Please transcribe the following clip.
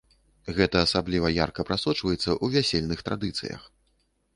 Гэта асабліва ярка прасочваецца ў вясельных традыцыях.